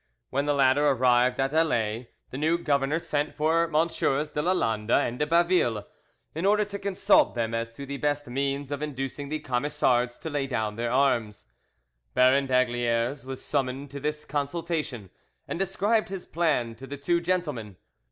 When the latter arrived at Alais, the new governor sent for MM. de Lalande and de Baville, in order to consult them as to the best means of inducing the Camisards to lay down their arms. Baron d'Aygaliers was summoned to this consultation, and described his plan to the two gentlemen.